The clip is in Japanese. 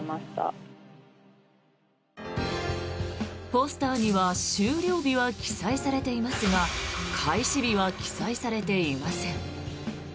ポスターには終了日は記載されていますが開始日は記載されていません。